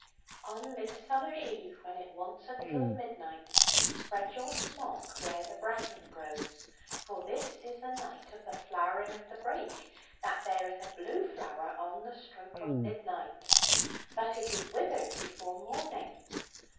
'On Midsummer Eve, when it wants a little of midnight, spread your smock where the bracken grows. For this is the night of the flowering of the brake, that beareth a blue flower on the stroke of midnight. But it is withered afore morning.